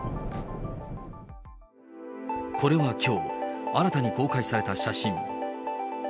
これはきょう、新たに公開された写真。